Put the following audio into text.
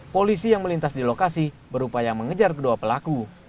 polisi yang melintas di lokasi berupaya mengejar kedua pelaku